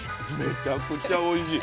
めちゃくちゃおいしい。